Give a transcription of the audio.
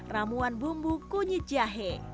ramuan bumbu kunyit jahe